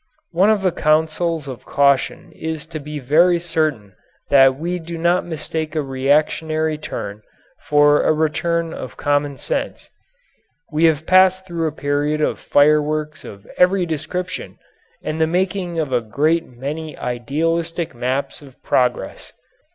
One of the counsels of caution is to be very certain that we do not mistake a reactionary turn for a return of common sense. We have passed through a period of fireworks of every description, and the making of a great many idealistic maps of progress.